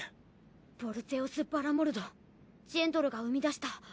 ヴォルゼオス・バラモルドジェンドルが生み出した。